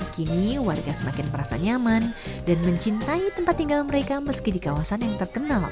kini warga semakin merasa nyaman dan mencintai tempat tinggal mereka meski di kawasan yang terkenal